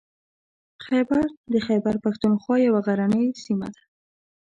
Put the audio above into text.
خیبر د خیبر پښتونخوا یوه غرنۍ سیمه ده.